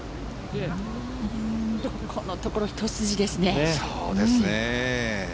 ここのところ１筋ですね。